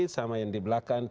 sama yang di belakang